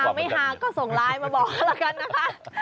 หากไม่หากก็ส่งไลน์มาบอกเขาแล้วกันนะคะ